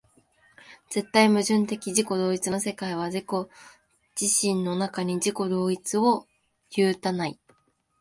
絶対矛盾的自己同一の世界は自己自身の中に自己同一を有たない。